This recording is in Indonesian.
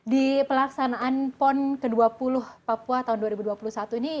di pelaksanaan pon ke dua puluh papua tahun dua ribu dua puluh satu ini